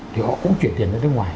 thì họ cũng chuyển tiền ra nước ngoài